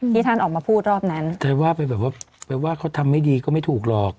ท่านออกมาพูดรอบนั้นแต่ว่าไปแบบว่าไปว่าเขาทำไม่ดีก็ไม่ถูกหรอก